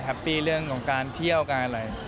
ปี้เรื่องของการเที่ยวการอะไร